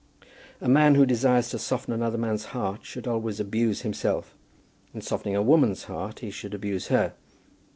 A man who desires to soften another man's heart, should always abuse himself. In softening a woman's heart, he should abuse her.